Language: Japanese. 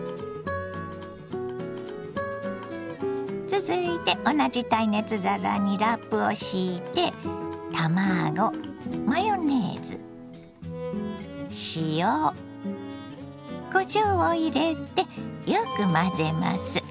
続いて同じ耐熱皿にラップを敷いて卵マヨネーズ塩こしょうを入れてよく混ぜます。